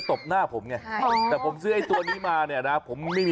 ตอกให้ฝันและหันมาตบคุณ